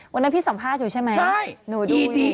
วันนั้นพี่สัมภาษณ์อยู่ใช่ไหมหนูดูอยู่ไหม